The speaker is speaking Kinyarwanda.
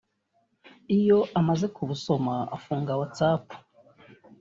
Iyo umaze kubusoma ufunga WhatsApp